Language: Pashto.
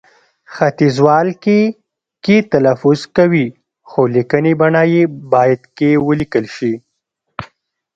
ختیځوال کښې، کې تلفظ کوي، خو لیکنې بڼه يې باید کښې ولیکل شي